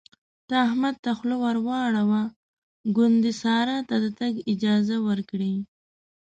ته احمد ته خوله ور واړوه ګوندې سارا ته د تګ اجازه ورکړي.